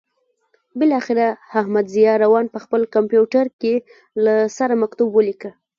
بالاخره احمدضیاء روان په خپل کمپیوټر کې له سره مکتوب ولیکه.